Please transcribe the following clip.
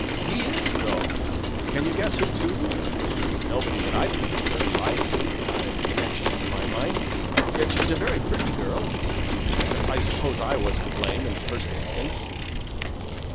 He is though. Can you guess who to? Nobody that I particularly like not a connection to my mind yet she's a very pretty girl; and I suppose I was to blame in the first instance."